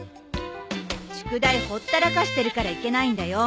宿題ほったらかしてるからいけないんだよ。